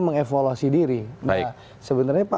mengevaluasi diri sebenarnya